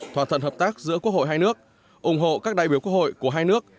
thỏa thuận hợp tác giữa quốc hội hai nước ủng hộ các đại biểu quốc hội của hai nước